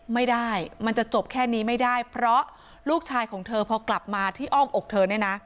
ไม่ได้มันจะจบแค่นี้ไม่ได้เพราะลูกชายของเธอพอกลับมาที่อ้อมอกเธอเนี่ยนะ